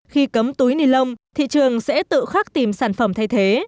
khi cấm túi ni lông thị trường sẽ tự khắc tìm sản phẩm thay thế